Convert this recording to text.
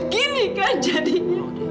gini kan jadinya